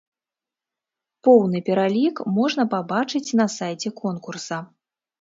Поўны пералік можна пабачыць на сайце конкурса.